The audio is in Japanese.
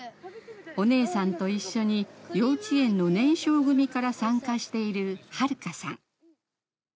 お姉さんと一緒に幼稚園の年少組から参加している遼さん。